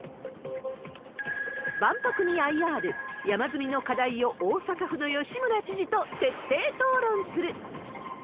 万博にＩＲ、山積みの課題を大阪府の吉村知事と徹底討論する。